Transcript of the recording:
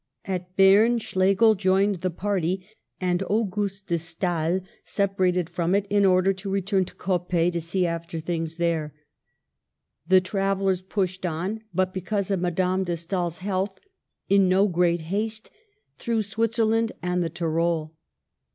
At Berne, Schlegel joined the party, and Au guste de Stael separated from it, in order to return to Coppet to see after things there. The travel lers pushed on, but, because of Madame de Stael's health, in no great haste, through Switzerland and the Tyrol.